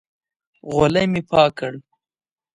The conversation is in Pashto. غولی مې پاک کړ.